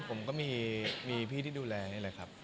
คือตอนนี้ผมก็มีพี่ที่ดูแลนี่แหละครับ